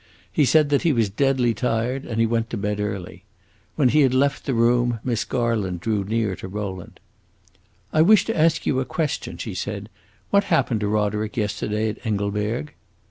He said he was deadly tired, and he went to bed early. When he had left the room Miss Garland drew near to Rowland. "I wish to ask you a question," she said. "What happened to Roderick yesterday at Engelberg?"